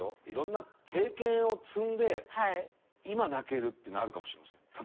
いろんな経験を積んで「今泣ける」っていうのはあるかもしれません。